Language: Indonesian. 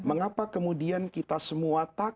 mengapa kemudian ditangisi oleh yang ditinggalkan